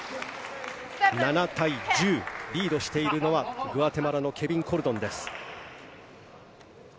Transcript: ７対１０、リードしているのはグアテマラのケビン・コルドンです。